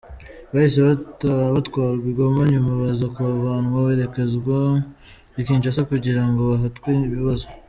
Bahise batwarwa i Goma nyuma baza kuhavanwa berekezwa i Kinshasa kugira ngo bahatwe ibibazo.